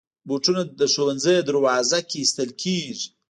بوټونه د ښوونځي دروازې کې ایستل کېږي.